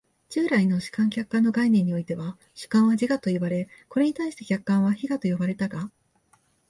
従来の主観・客観の概念においては、主観は自我といわれ、これに対して客観は非我と呼ばれたが、